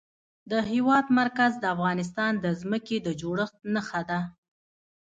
د هېواد مرکز د افغانستان د ځمکې د جوړښت نښه ده.